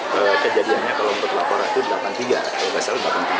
kejadiannya kalau untuk pelaku pelaku delapan tiga kalau bersekala delapan tiga